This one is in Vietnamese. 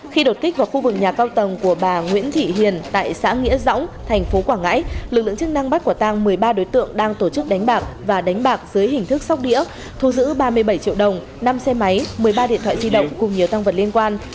khi đột kích vào khu vực nhà cao tầng của bà nguyễn thị hiền tại xã nghĩa dõng thành phố quảng ngãi lực lượng chức năng bắt quả tang một mươi ba đối tượng đang tổ chức đánh bạc và đánh bạc dưới hình thức sóc đĩa thu giữ ba mươi bảy triệu đồng năm xe máy một mươi ba điện thoại di động cùng nhiều tăng vật liên quan